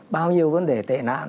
bao nhiêu vấn đề tệ nạn